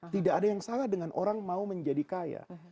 tidak ada yang salah dengan orang mau menjadi kaya